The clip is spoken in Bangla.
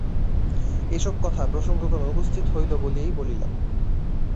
এ-সব কথা প্রসঙ্গক্রমে উপস্থিত হইল বলিয়াই বলিলাম।